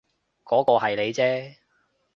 嗰個係你啫